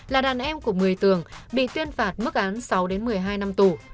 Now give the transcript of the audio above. là đàn em của một mươi tường bị tuyên phạt mức án sáu đến một mươi hai năm tù